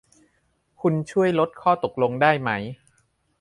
คุณช่วยลดข้อตกลงได้ไหม ?